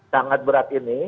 sangat berat ini